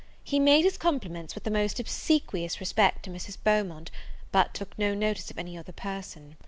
He made his compliments with the most obsequious respect to Mrs. Beaumont, but took no sort of notice of any other person.